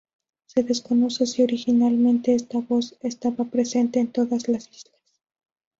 Se desconoce si originalmente esta voz estaba presente en todas las islas.